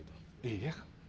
iya obten ganz